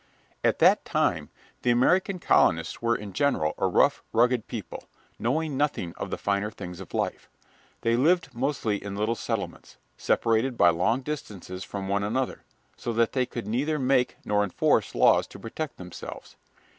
At that time the American colonists were in general a rough, rugged people, knowing nothing of the finer things of life. They lived mostly in little settlements, separated by long distances from one another, so that they could neither make nor enforce laws to protect themselves.